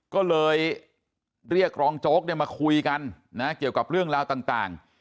ก็เลยเรียกรองโจ๊กมาคุยกันนะเกี่ยวกับเรื่องราวต่าง